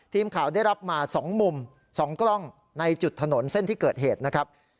ทีมข่าวได้รับมา๒มุม๒กล้องในจุดถนนเส้นที่เกิดเหตุนะครับ